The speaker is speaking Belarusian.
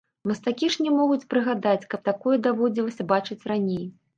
Мастакі ж не могуць прыгадаць, каб такое даводзілася бачыць раней.